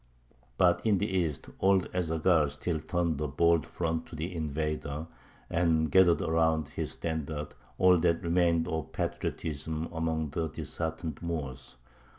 But in the east old Ez Zaghal still turned a bold front to the invader, and gathered around his standard all that remained of patriotism among the disheartened Moors.